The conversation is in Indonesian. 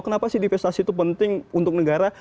kenapa sih di vestasi itu penting untuk negara